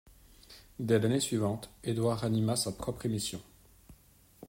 Dès l’année suivante, Edward anima sa propre émission.